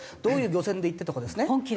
どういう漁船で行ってとかですね。